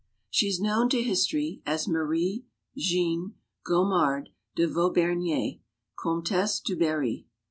She is known to history as "Marie Jeanne Gomard de Vaubernier, Comtesse du Barry."